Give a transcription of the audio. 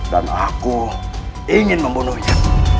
dan aku ingin membunuhnya